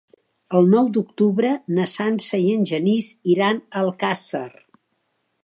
El nou d'octubre na Sança i en Genís iran a Alcàsser.